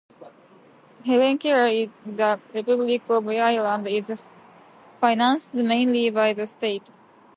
Healthcare in the Republic of Ireland is financed mainly by the state.